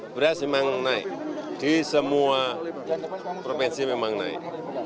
beras memang naik di semua provinsi memang naik